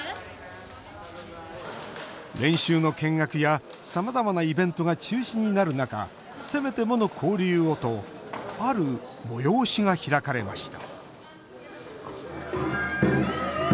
練習の見学や、さまざまなイベントが中止になる中せめてもの交流をとある催しが開かれました。